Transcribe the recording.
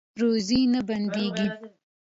روزي نه بندیږي